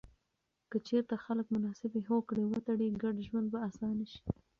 که چیرته خلک مناسبې هوکړې وتړي، ګډ ژوند به اسانه سي.